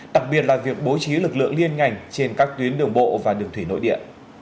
đặc biệt là việc bố trí lực lượng liên ngành trên các tuyến đường bộ và đường thủy nội địa